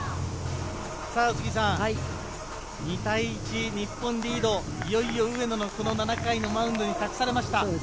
２対１、日本リード、いよいよ上野の７回のマウンドに託されました。